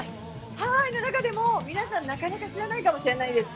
ハワイの中でも、皆さんなかなか知らないかもしれないです。